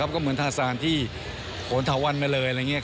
ก็เหมือนทาซานที่โหนเถาวันมาเลย